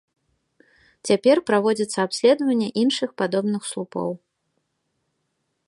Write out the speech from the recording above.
Цяпер праводзіцца абследаванне іншых падобных слупоў.